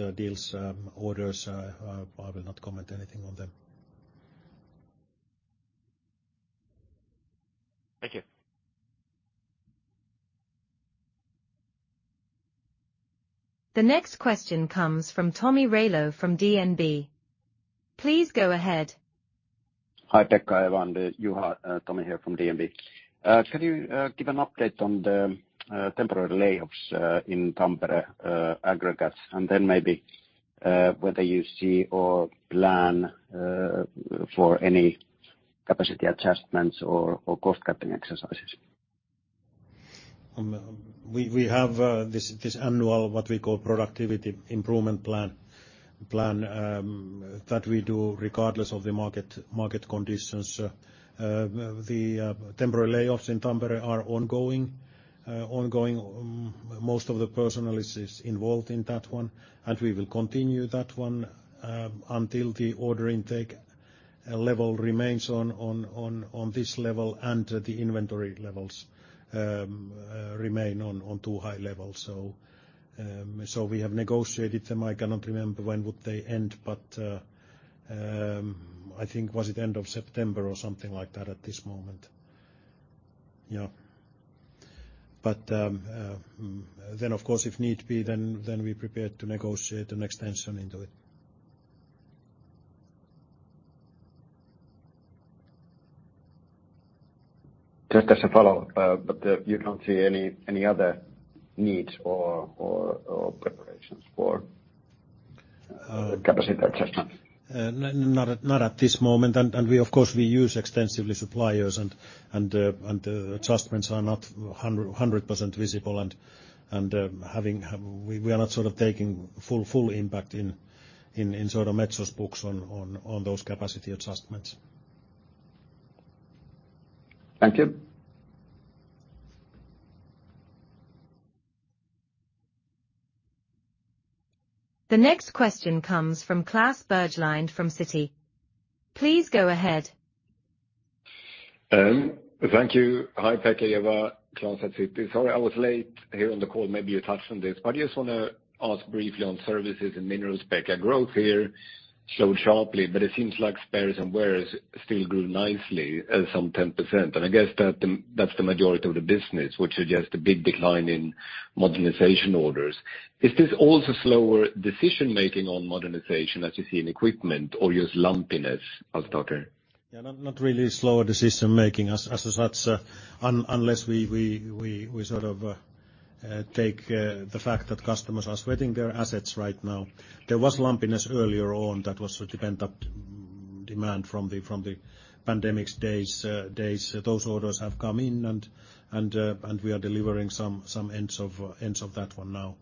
orders, I will not comment anything on them. Thank you. The next question comes from Tomi Railo from DNB. Please go ahead. Hi, Pekka, Eeva and Juha. Tomi here from DNB. Can you give an update on the temporary layoffs in Tampere aggregates? Then maybe whether you see or plan for any capacity adjustments or cost-cutting exercises. We have this annual, what we call productivity improvement plan that we do regardless of the market conditions. The temporary layoffs in Tampere are ongoing. Most of the personnel is involved in that one, and we will continue that one until the order intake level remains on this level, and the inventory levels remain on too high levels. We have negotiated them. I cannot remember when would they end. I think was it end of September or something like that at this moment? Yeah. Of course, if need be, we're prepared to negotiate an extension into it. Just as a follow-up, you don't see any other needs or preparations for capacity adjustment? not at this moment. We of course, we use extensively suppliers and adjustments are not 100% visible. We are not sort of taking full impact in sort of Metso's books on those capacity adjustments. Thank you. The next question comes from Klas Bergelind from Citi. Please go ahead. Thank you. Hi, Pekka, Eeva and Juha, Klas at Citi. Sorry, I was late here on the call. Maybe you touched on this, but I just want to ask briefly on services and minerals. Pekka, growth here slowed sharply, but it seems like spares and wears still grew nicely at some 10%. I guess that's the majority of the business, which suggests a big decline in modernization orders. Is this also slower decision-making on modernization, as you see in equipment, or just lumpiness of the order? Not really slower decision-making as such, unless we sort of take the fact that customers are sweating their assets right now. There was lumpiness earlier on that was sort of pent-up demand from the pandemics days. Those orders have come in, and we are delivering some ends of that one now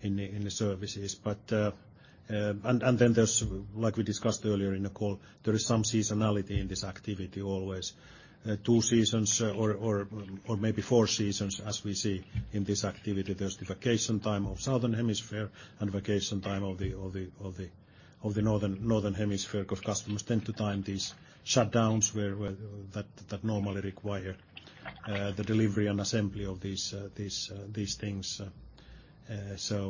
in the services. Then there's, like we discussed earlier in the call, there is some seasonality in this activity always. Two seasons or maybe four seasons, as we see in this activity. There's the vacation time of Southern Hemisphere and vacation time of the Northern Hemisphere, 'cause customers tend to time these shutdowns where that normally require the delivery and assembly of these things.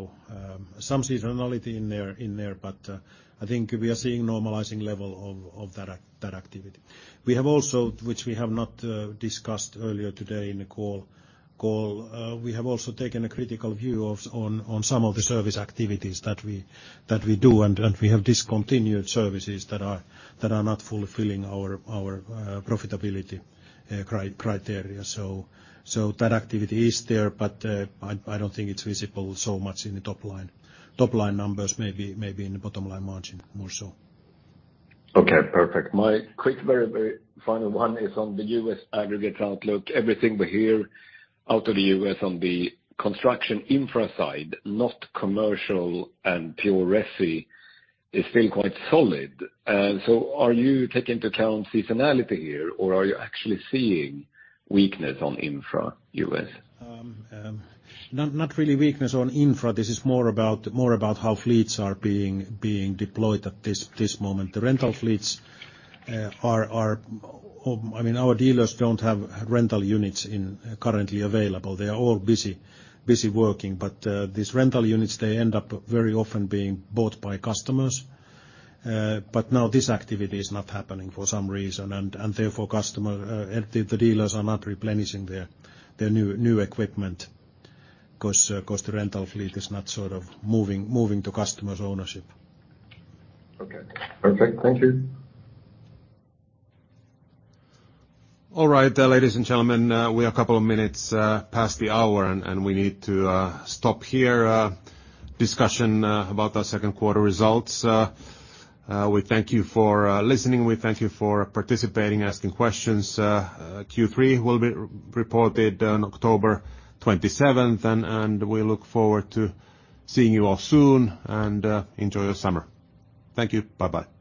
Some seasonality in there, but I think we are seeing normalizing level of that activity. We have also, which we have not discussed earlier today in the call, we have also taken a critical view on some of the service activities that we do, and we have discontinued services that are not fulfilling our profitability criteria. That activity is there, but I don't think it's visible so much in the top line. Top line numbers may be in the bottom line margin, more so. Okay, perfect. My quick, very, very final one is on the U.S. aggregate outlook. Everything we hear out of the U.S. on the construction infra side, not commercial and pure resi, is still quite solid. Are you taking into account seasonality here, or are you actually seeing weakness on infra U.S.? Not really weakness on infra. This is more about how fleets are being deployed at this moment. The rental fleets are, I mean, our dealers don't have rental units in currently available. They are all busy working. But these rental units, they end up very often being bought by customers. But now this activity is not happening for some reason, and therefore, customer and the dealers are not replenishing their new equipment, because the rental fleet is not sort of moving to customers' ownership. Okay. Perfect. Thank you. All right, ladies and gentlemen, we are a couple of minutes past the hour, and we need to stop here discussion about our second quarter results. We thank you for listening. We thank you for participating, asking questions. Q3 will be reported on October 27th, and we look forward to seeing you all soon, and enjoy your summer. Thank you. Bye-bye.